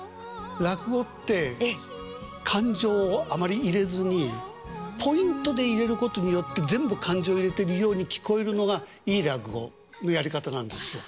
落語って感情をあまり入れずにポイントで入れることによって全部感情入れてるように聞こえるのがいい落語のやり方なんですよ。